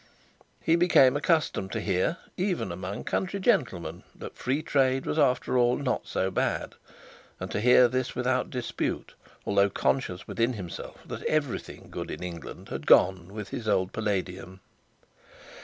He became accustomed to hear, even among country gentlemen, that free trade was after all not so bad, and to bear this without dispute, although conscious within himself that everything good in England had gone with his old palladium.